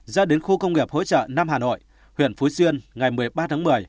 ra đến khu công nghiệp hỗ trợ nam hà nội huyện phú xuyên ngày một mươi ba tháng một mươi